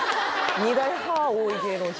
二大歯多い芸能人